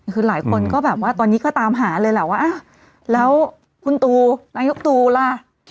คือหลายคนก็แบบว่าตอนนี้ก็ตามหาเลยแหละว่าแล้วคุณตูนายกตูล่ะยังไงบ้างวันนี้